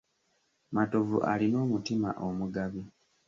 Matovu alina omutima omugabi.